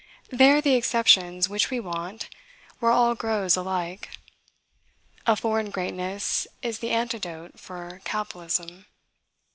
They are the exceptions which we want, where all grows alike. A foreign greatness is the antidote for cabalism.